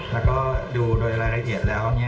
แล้วก็ดูโดยรายละเอียดแล้ว